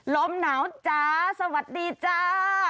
ลมหนาวจ้าสวัสดีจ้า